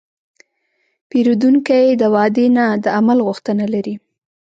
پیرودونکی د وعدې نه، د عمل غوښتنه لري.